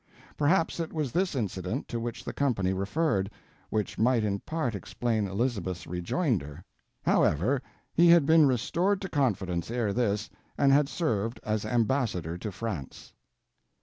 Perhaps it was this incident to which the company referred, which might in part explain Elizabeth's rejoinder. However, he had been restored to confidence ere this, and had served as ambassador to France.